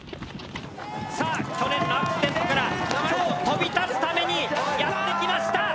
さあ去年のアクシデントから今日飛び立つためにやって来ました！